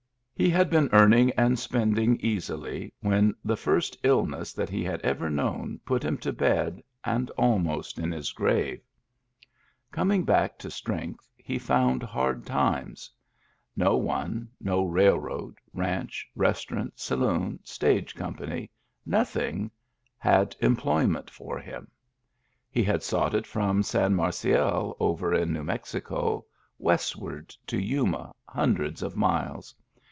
He had been earning and spending easily, when the first illness that he had ever known put him to bed, and almost in his grave. Coming back to Digitized by Google EXTRA DRY 209 strength, he found hard times. No one, no rail road, ranch, restaurant, saloon, stage company — nothing — had employment for him. He had sought it from San Marcial, over in New Mexico, westward to Yuma, hundreds of miles.